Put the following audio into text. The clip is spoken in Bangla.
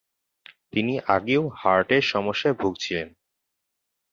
তিনি আগেও হার্টের সমস্যায় ভুগছিলেন।